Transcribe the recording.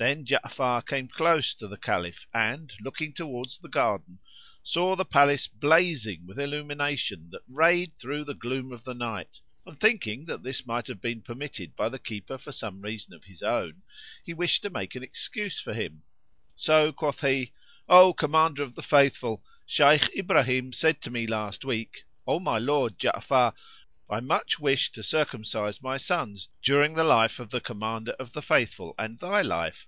Then Ja'afar came close to the Caliph and, looking towards the garden, saw the palace blazing with illumination that rayed through the gloom of the night; and, thinking that this might have been permitted by the keeper for some reason of his own, he wished to make an excuse for him; so quoth he, "O Commander of the Faithful, Shaykh Ibrahim said to me last week, 'O my lord Ja'afar, I much wish to circumcise my sons during the life of the Commander of the Faithful and thy life.'